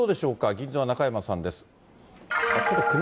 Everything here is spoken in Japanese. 銀座の中山さんです。